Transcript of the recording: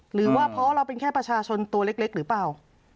หรือว่าเพราะเราเป็นแค่ประชาชนตัวเล็กหรือเปล่า